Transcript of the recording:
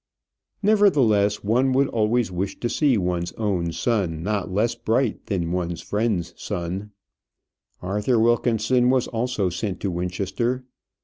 Nevertheless, one would always wish to see one's own son not less bright than one's friend's son. Arthur Wilkinson was also sent to Winchester.